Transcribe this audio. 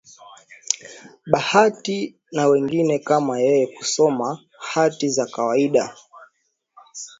Bahati na wengine kama yeye kusoma hati za kawaida